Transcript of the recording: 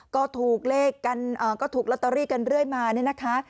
ก็ถูกเลขกันก็ถูกลอตเตอรี่กันเรื่อยมาเนี่ยนะคะ